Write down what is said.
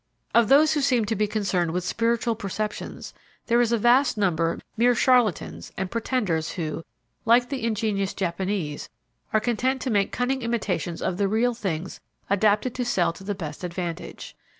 Of those who seem to be concerned with spiritual perceptions there is a vast number mere charlatans and pretenders who, like the ingenious Japanese, are content to make cunning imitations of the real things adapted to sell to the best advantage.